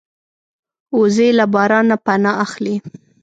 وزې له باران نه پناه اخلي